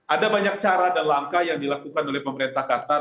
ada banyak cara dan langkah yang dilakukan oleh pemerintah qatar